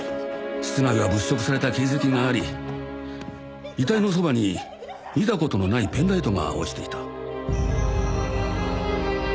室内は物色された形跡があり遺体のそばに見た事のないペンライトが落ちていた。